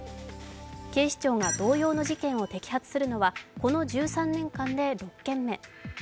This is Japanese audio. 警視庁が同様の事件を摘発するのはこの１３年間で６件目。